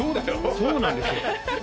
そうなんですよ。